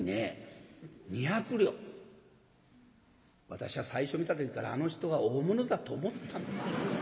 私は最初見た時からあの人は大物だと思ったの」。